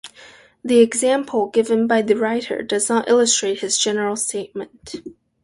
The example given by the writer does not illustrate his general statement.